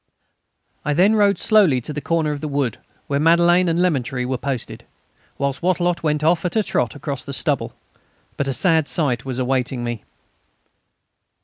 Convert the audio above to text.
I then rode slowly to the corner of the wood, where Madelaine and Lemaître were posted, whilst Wattrelot went off at a trot across the stubble. But a sad sight was awaiting me.